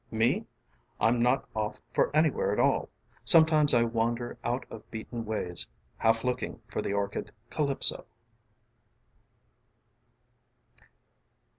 Me? I'm not off for anywhere at all. Sometimes I wander out of beaten ways Half looking for the orchid Calypso."